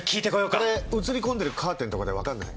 これ写り込んでるカーテンとかで分かんない？